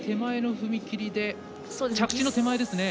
着地の手前ですね。